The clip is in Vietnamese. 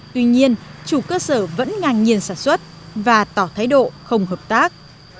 tuy nhiên chủ cơ sở vẫn ngang nhiên sản xuất và tỏ thái độ không hợp tác